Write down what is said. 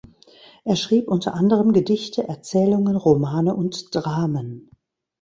Er schrieb unter anderem Gedichte, Erzählungen, Romane und Dramen.